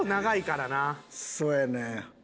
そうやねん。